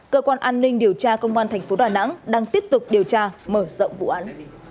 cơ quan an ninh điều tra công an thành phố đà nẵng đang tiếp tục điều tra mở rộng vụ án